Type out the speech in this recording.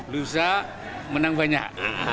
lusa menang banyak